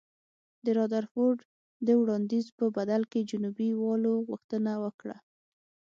د رادرفورډ د وړاندیز په بدل کې جنوبي والو غوښتنه وکړه.